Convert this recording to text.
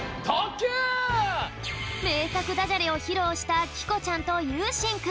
めいさくダジャレをひろうしたきこちゃんとゆうしんくん。